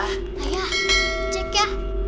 ayah cek ya